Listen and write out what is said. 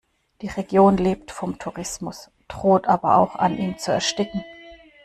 Die Region lebt vom Tourismus, droht aber auch an ihm zu ersticken.